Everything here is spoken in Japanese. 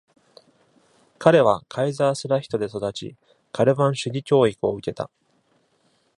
彼はカイザースラヒトで育ちカルヴァン主義教育を受けた。